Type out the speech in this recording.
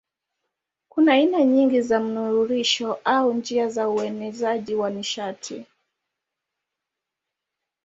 Kuna aina nyingi za mnururisho au njia za uenezaji wa nishati.